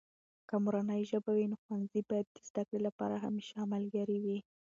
که مورنۍ ژبه وي، نو ښوونځي باید د زده کړې لپاره همیشه ملګری وي.